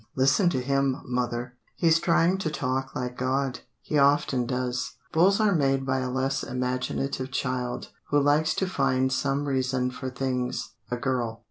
"Listen to him, mother. He's trying to talk like God. He often does." Bulls are made by a less imaginative child who likes to find some reason for things a girl.